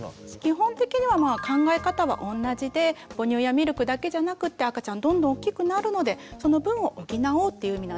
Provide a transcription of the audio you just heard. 基本的には考え方は同じで母乳やミルクだけじゃなくって赤ちゃんどんどん大きくなるのでその分を補おうっていう意味なんです。